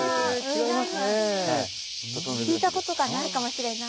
聞いたことがないかもしれない。